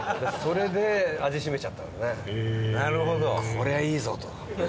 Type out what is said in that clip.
こりゃいいぞ！と。